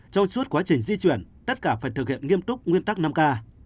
trong suốt quá trình di chuyển tất cả phải thực hiện nghiêm túc nguyên tắc năm k